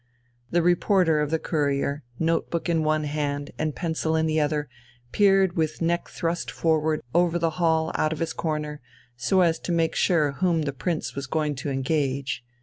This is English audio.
The reporter of the Courier, notebook in one hand and pencil in the other, peered with neck thrust forward over the hall out of his corner, so as to make sure whom the Prince was going to engage.